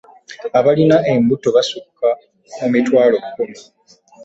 Abalina embuto basukka mu mitwalo kkumi.